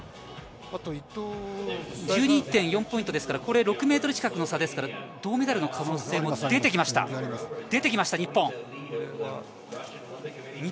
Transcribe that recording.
これは１２．４ポイントですから６ｍ近くの差ですから銅メダルの可能性も出てきました日本。